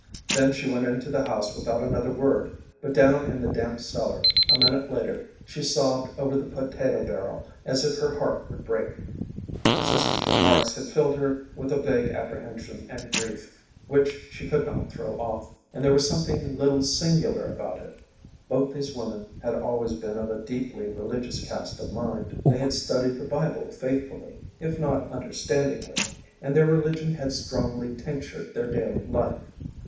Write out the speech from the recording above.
Then she went into the house without another word ; but down in the damp cellar, a minute later, she sobbed over the potato barrel as if her heart would break. Her sister's re marks had filled her with a vague apprehension and grief which she could not throw off. And there was something a little singular about it. Both these women had always been of a deeply religious cast of mind. They had studied the Bible faithfully, if not understandingly, and their relig ion had strongly tinctured their daily life.